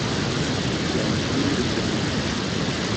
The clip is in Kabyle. Yeɛjeb-iyi usaru-nni.